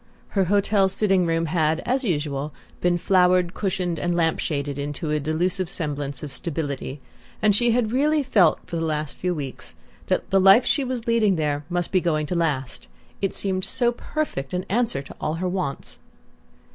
Her hotel sitting room had, as usual, been flowered, cushioned and lamp shaded into a delusive semblance of stability; and she had really felt, for the last few weeks, that the life she was leading there must be going to last it seemed so perfect an answer to all her wants!